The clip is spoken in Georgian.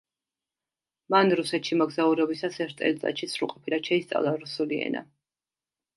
მან რუსეთში მოგზაურობისას ერთ წელიწადში სრულყოფილად შეისწავლა რუსული ენა.